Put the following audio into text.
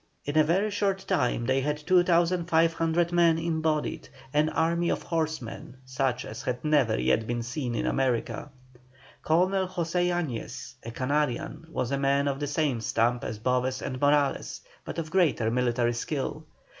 In a very short time they had 2,500 men embodied, an army of horsemen such as had never yet been seen in America. Colonel José Yañez, a Canarian, was a man of the same stamp as Boves and Morales, but of greater military skill.